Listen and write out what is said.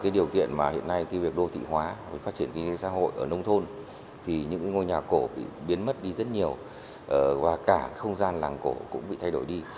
điều kiện mà hiện nay việc đô thị hóa phát triển kinh tế xã hội ở nông thôn thì những ngôi nhà cổ bị biến mất đi rất nhiều và cả không gian làng cổ cũng bị thay đổi đi